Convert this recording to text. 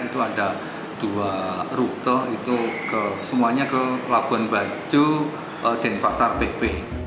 itu ada dua rute itu semuanya ke labuan bajo dan pasar bp